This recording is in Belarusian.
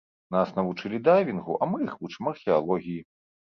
Нас навучылі дайвінгу, а мы іх вучым археалогіі.